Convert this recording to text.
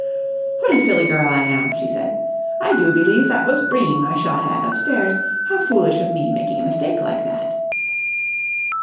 "What a silly girl I am!" she said. "I do believe that was Bream I shot at upstairs. How foolish of me making a mistake like that!"